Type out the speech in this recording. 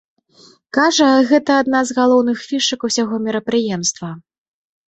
Кажа, гэта адна з галоўных фішак усяго мерапрыемства.